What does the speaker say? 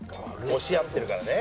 押し合ってるからね。